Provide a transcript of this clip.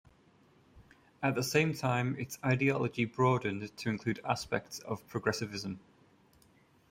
At the same time, its ideology broadened to include aspects of progressivism.